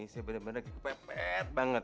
saya bener bener kepepet banget